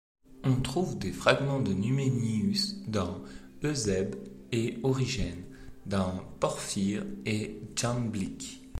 On trouve des fragments de Numénius dans Eusèbe et Origène, dans Porphyre et Jamblique.